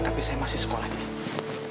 tapi saya masih sekolah disini